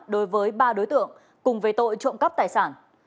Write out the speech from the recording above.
đối với ba đối tượng cùng về tội trộm cắp tài sản